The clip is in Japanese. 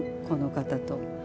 この方と。